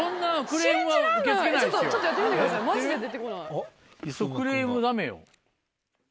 クレームダメよ。